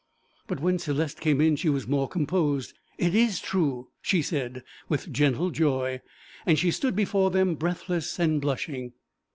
But when Céleste came in she was more composed. 'It is true,' she said, with gentle joy, and she stood before them breathless and blushing.